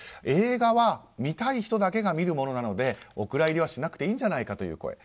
映画は見たい人だけが見るものなのでお蔵入りはしなくていいんじゃないかという声。